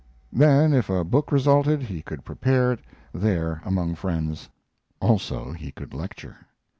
Then, if a book resulted, he could prepare it there among friends. Also, he could lecture.